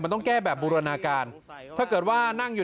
มันต้องแก้บูรณาการเรื่องการขนส่งโค้ด